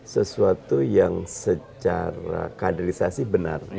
sesuatu yang secara kaderisasi benar